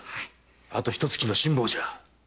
あと一月の辛抱じゃ。